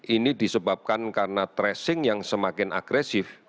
ini disebabkan karena tracing yang semakin agresif